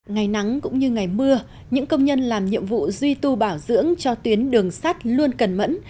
ngày nắng cũng như ngày mưa những công nhân làm nhiệm vụ duy tu bảo dưỡng cho tuyến đường sắt luôn cẩn mẫn